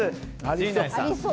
陣内さん